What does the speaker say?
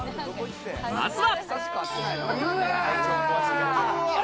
まずは。